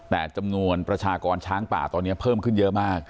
แต่จำนวนประชากรช้างป่าตอนนี้เพิ่มขึ้นเยอะมาก